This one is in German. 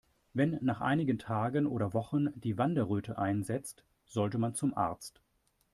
Wenn nach einigen Tagen oder Wochen die Wanderröte einsetzt, sollte man zum Arzt.